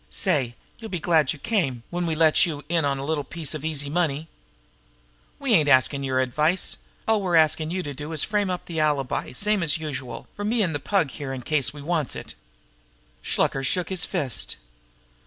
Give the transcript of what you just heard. "Say, you'll be glad you come when we lets you in on a little piece of easy money. We ain't askin' your advice; all we're askin' you to do is frame up the alibi, same as usual, for me an' the Pug here in case we wants it." Shluker shook his fist.